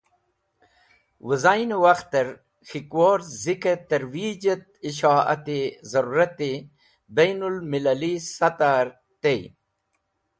Wizayne Wakhter K̃hikwor Zike Terweej et Ishoate Zarurati Bainul Millali Sataher tey.